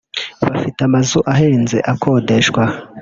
bafite amazu ahenze akodeshwa